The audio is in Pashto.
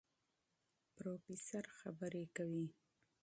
پروفېسر خبرې کوي.